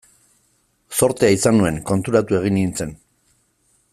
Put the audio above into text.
Zortea izan nuen, konturatu egin nintzen.